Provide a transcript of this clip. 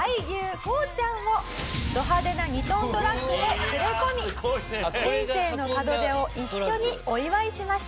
こうちゃんをド派手な２トントラックで連れ込み人生の門出を一緒にお祝いしました。